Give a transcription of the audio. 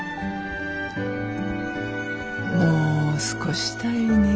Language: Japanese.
もう少したいね。